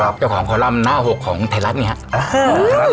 เจ้าของคอลัมป์หน้า๖ของไทยรัฐนี่ครับ